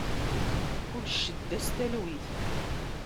Kul ccedda s talwit.